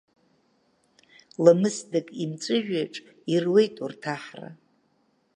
Ламысдак имҵәыжәҩаҿ ируеит урҭ аҳра.